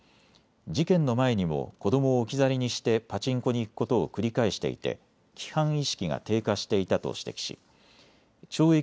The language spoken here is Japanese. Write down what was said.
事件の前にも子どもを置き去りにしてパチンコに行くことを繰り返していて規範意識が低下していたと指摘し懲役